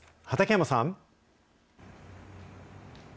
畠山さん。